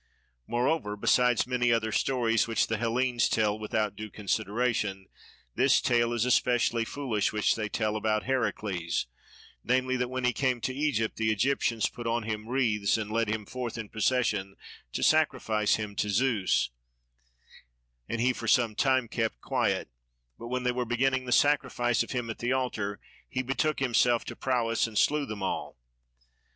Moreover, besides many other stories which the Hellenes tell without due consideration, this tale is especially foolish which they tell about Heracles, namely that when he came to Egypt, the Egyptians put on him wreaths and led him forth in procession to sacrifice him to Zeus; and he for some time kept quiet, but when they were beginning the sacrifice of him at the altar, he betook himself to prowess and slew them all.